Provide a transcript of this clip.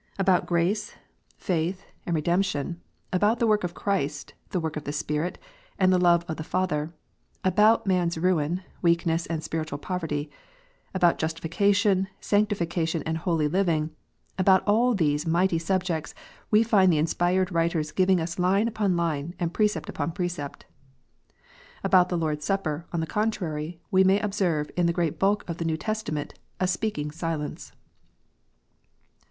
About grace, faith, if 1*78 KNOTS UNTIED. and redemption; about the work of Christ, the work of the Spirit, and the love of the Father ; about man s ruin, weakness, and spiritual poverty ; about justification, sanctification, and holy living; about all these mighty subjects we find the inspired writers giving us line upon line, and precept upon precept. About the Lord s Supper, on the contrary, we may observe in the great bulk of the JS T ew Testament a speaking silence.